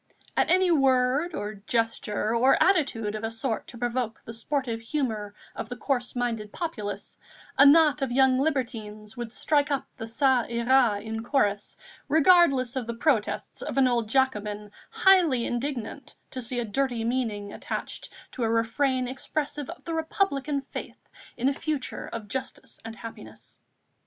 At any word, or gesture, or attitude of a sort to provoke the sportive humour of the coarse minded populace, a knot of young libertines would strike up the Ça ira in chorus, regardless of the protests of an old Jacobin, highly indignant to see a dirty meaning attached to a refrain expressive of the Republican faith in a future of justice and happiness.